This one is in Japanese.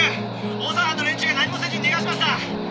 大澤班の連中が何もせずに逃がしました！